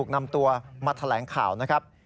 นำตัวมาแถลงข่าวนะครับ